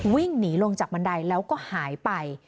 วิ่งหนีลงจากบันไดแล้วก็หายไป